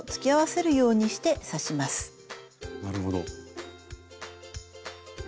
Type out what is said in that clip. なるほど。